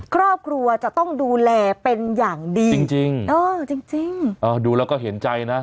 ครอบครัวจะต้องดูแลเป็นอย่างดีจริงจริงเออจริงจริงเออดูแล้วก็เห็นใจนะ